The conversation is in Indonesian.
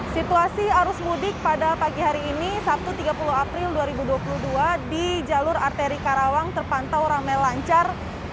situasi arus mudik pada pagi hari ini sabtu tiga puluh april dua ribu dua puluh dua di jalur arteri karawang terpantau ramai lancar